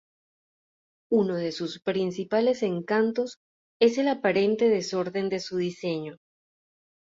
Uno de sus principales encantos es el aparente desorden de su diseño.